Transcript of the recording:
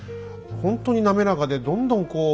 ほんとに滑らかでどんどんこう。